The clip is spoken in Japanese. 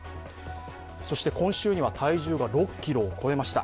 そして今週には体重が６ｋｇを超えました。